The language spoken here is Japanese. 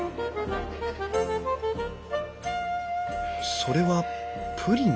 それはプリンかい？